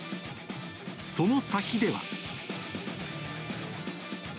その先では。